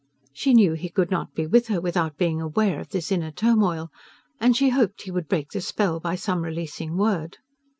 She knew he could not be with her without being aware of this inner turmoil, and she hoped he would break the spell by some releasing word.